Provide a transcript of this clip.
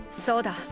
そうだ。